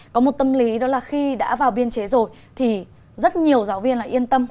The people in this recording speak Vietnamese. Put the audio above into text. có một tâm lý đó là khi đã vào biên chế rồi thì rất nhiều giáo viên là yên tâm